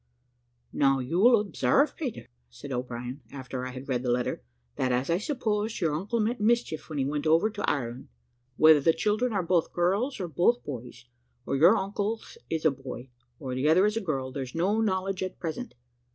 "Now, you'll observe, Peter," said O'Brien, after I had read the letter, "that, as I supposed, your uncle meant mischief when he went over to Ireland. Whether the children are both girls or both boys, or your uncle's is a boy, and the other is a girl, there's no knowledge at present.